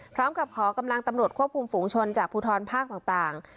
พร้อมกับขอกำลังตำรวจควบคุมฝูงชนจากภูทรภาคต่าง